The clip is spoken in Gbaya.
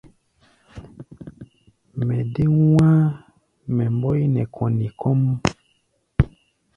Mɛ dé wá̧á̧ mɛ́ mbɔi nɛ kɔni kɔ́ʼm.